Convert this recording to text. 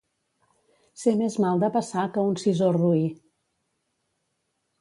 Ser més mal de passar que un sisó roí.